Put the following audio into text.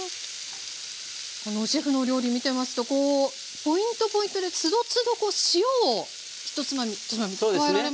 このシェフのお料理見てますとポイントポイントでつどつど塩を１つまみ１つまみと加えられますね。